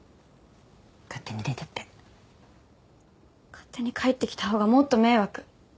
勝手に帰ってきた方がもっと迷惑。